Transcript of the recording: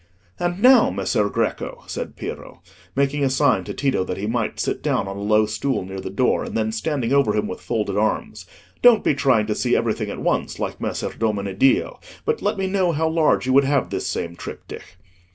"And now, Messer Greco," said Piero, making a sign to Tito that he might sit down on a low stool near the door, and then standing over him with folded arms, "don't be trying to see everything at once, like Messer Domeneddio, but let me know how large you would have this same triptych."